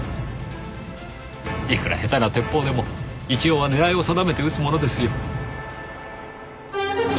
いくら下手な鉄砲でも一応は狙いを定めて撃つものですよ。